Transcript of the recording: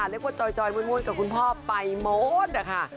เรียกว่าจอยมวดกับคุณพ่อไปหมดนะคะ